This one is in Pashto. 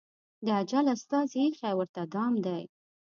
د اجل استازي ایښی ورته دام دی